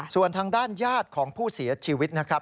ส่วนทางด้านญาติของผู้เสียชีวิตนะครับ